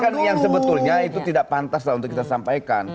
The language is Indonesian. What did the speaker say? kan yang sebetulnya itu tidak pantas lah untuk kita sampaikan